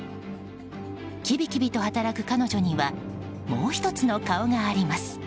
きびきびと働く彼女にはもう１つの顔があります。